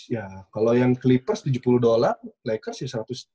ya kalau yang clippers tujuh puluh dolar lakers ya satu ratus lima puluh